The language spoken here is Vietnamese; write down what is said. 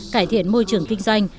cải thiện môi trường kinh doanh